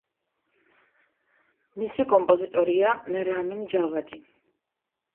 მისი კომპოზიტორია რამინ ჯავადი.